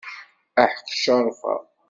Aḥeq Ccerfa.